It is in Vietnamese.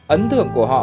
ấn thưởng của họ